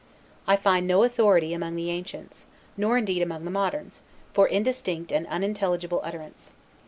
I find no authority among the ancients, nor indeed among the moderns, for indistinct and unintelligible utterance.